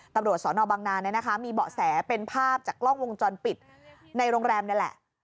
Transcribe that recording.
ตำรวจสนบังนานมีเบาะแสเป็นภาพจากกล้องวงจรปิดในโรงแรมนี่แหละ